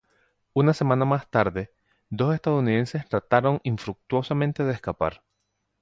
Una semana más tarde, dos estadounidenses trataron infructuosamente de escapar.